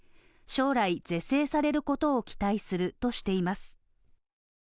将来、是正されることを期待するとしています。